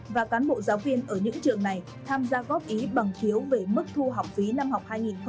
và cán bộ giáo viên ở những trường này tham gia góp ý bằng phiếu về mức thu học phí năm học hai nghìn hai mươi hai nghìn hai mươi một